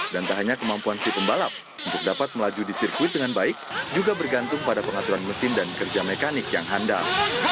dan tak hanya kemampuan si pembalap untuk dapat melaju di sirkuit dengan baik juga bergantung pada pengaturan mesin dan kerja mekanik yang handal